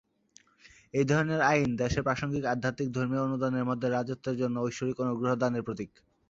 এই ধরনের আইন দেশের প্রাসঙ্গিক আধ্যাত্মিক ধর্মীয় অনুদানের মধ্যে রাজত্বের জন্য ঐশ্বরিক অনুগ্রহ দানের প্রতীক।